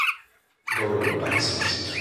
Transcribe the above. Gaur egun Parisen bizi da.